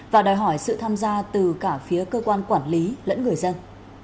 và đòi hỏi sự tham gia từ cả phía cơ quan quản lý lẫn người dân